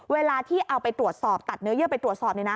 เวลาที่เอาไปตรวจสอบตัดเนื้อเยื่อไปตรวจสอบ